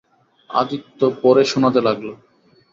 আদিত্য পড়ে শোনাতে লাগল।